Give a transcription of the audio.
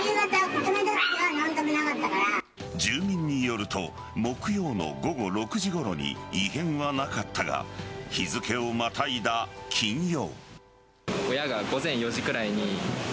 住民によると木曜の午後６時ごろに異変はなかったが日付をまたいだ金曜。